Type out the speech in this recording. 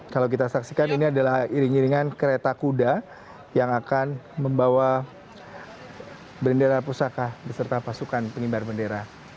kalau kita saksikan ini adalah iring iringan kereta kuda yang akan membawa bendera pusaka beserta pasukan pengibar bendera